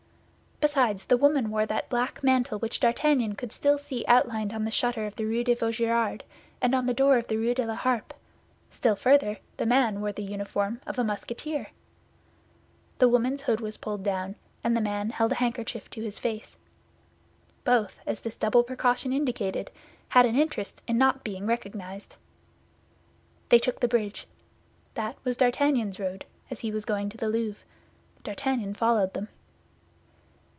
Besides, the woman wore that black mantle which D'Artagnan could still see outlined on the shutter of the Rue de Vaugirard and on the door of the Rue de la Harpe; still further, the man wore the uniform of a Musketeer. The woman's hood was pulled down, and the man held a handkerchief to his face. Both, as this double precaution indicated, had an interest in not being recognized. They took the bridge. That was D'Artagnan's road, as he was going to the Louvre. D'Artagnan followed them.